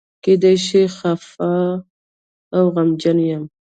کېدای شي خپه او غمجن یم.